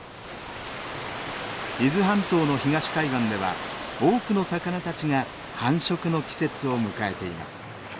伊豆半島の東海岸では多くの魚たちが繁殖の季節を迎えています。